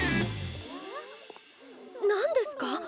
何ですか？